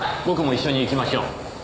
僕も一緒に行きましょう。